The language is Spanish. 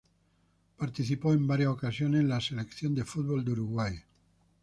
Participó en varias ocasiones en la Selección de fútbol de Uruguay.